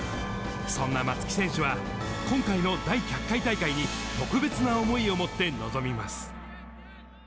そんな松木選手は、今回の第１００回大会に、特別な思いを持って臨みます。